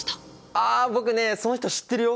あ僕ねその人知ってるよ。